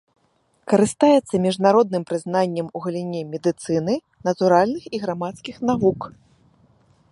Карыстаецца міжнародным прызнаннем у галіне медыцыны, натуральных і грамадскіх навук.